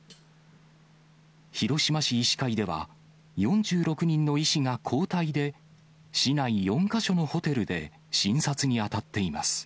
広島市医師会では、４６人の医師が交代で市内４か所のホテルで診察に当たっています。